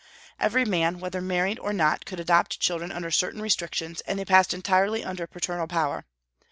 Every man, whether married or not, could adopt children under certain restrictions, and they passed entirely under paternal power.